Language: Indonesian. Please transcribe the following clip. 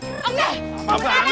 sio gak takut